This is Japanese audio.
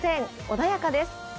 穏やかです。